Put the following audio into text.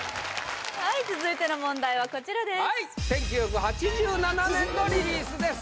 はい続いての問題はこちらです